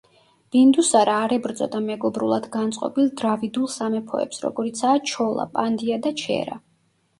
ბინდუსარა არ ებრძოდა მეგობრულად განწყობილ დრავიდულ სამეფოებს, როგორიცაა ჩოლა, პანდია და ჩერა.